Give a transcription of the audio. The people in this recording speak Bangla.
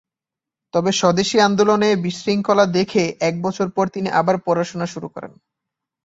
তবে স্বদেশী আন্দোলনে বিশৃঙ্খলা দেখে এক বছর পর তিনি আবার পড়াশোনা শুরু করেন।